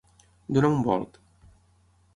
Donar un volt.